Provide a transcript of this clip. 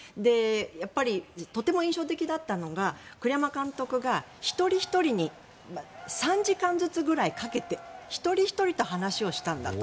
やっぱりとても印象的だったのが栗山監督が一人ひとりに３時間ずつくらいかけて一人ひとりと話をしたんだと。